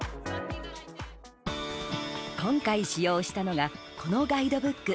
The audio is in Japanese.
今回、使用したのがこのガイドブック